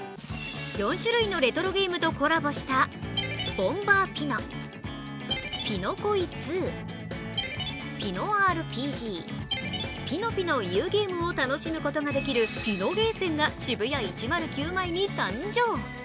４種類のレトロゲームとコラボした「ボンバーピノ」、「ピノ恋２」「ピノＲＰＧ」、「ピノピノ言うゲーム」を楽しむことができるピノゲーセンがＳＨＩＢＵＹＡ１０９前に誕生。